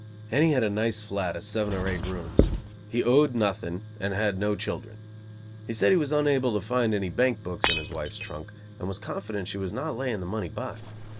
Henny had a nice flat of seven or eight rooms; he owed nothing and had no children. He said he was unable to find any bank books in his wife's trunk, and was confident she was not laying the money by.